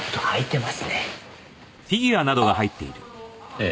ええ。